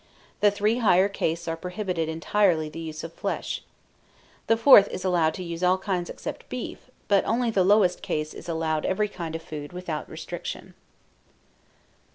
The three higher castes are prohibited entirely the use of flesh. The fourth is allowed to use all kinds except beef, but only the lowest caste is allowed every kind of food without restriction.